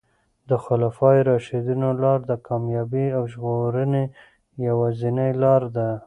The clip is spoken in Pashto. د خلفای راشدینو لاره د کامیابۍ او ژغورنې یوازینۍ لاره ده.